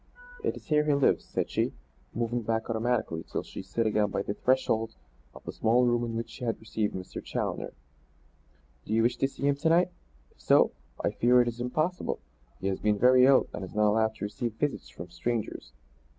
"It is here he lives," said she; moving back automatically till she stood again by the threshold of the small room in which she had received Mr. Challoner. "Do you wish to see him to night? If so, I fear it is impossible. He has been very ill and is not allowed to receive visits from strangers."